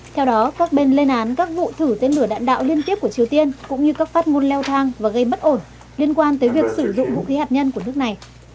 theo đó các bên lên án các vụ thử tên lửa đạn đạo liên tiếp của triều tiên cũng như các phát ngôn leo thang và gây bất ổn liên quan tới việc sử dụng vũ khí hạt nhân của nước này